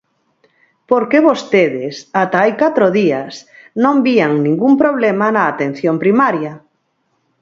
Porque vostedes, ata hai catro días, non vían ningún problema na atención primaria.